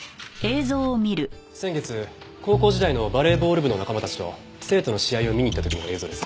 先月高校時代のバレーボール部の仲間たちと生徒の試合を見に行った時の映像です。